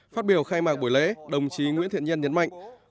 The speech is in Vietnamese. phát biểu khai mạc buổi lễ đồng chí nguyễn thiện nhân nhấn mạnh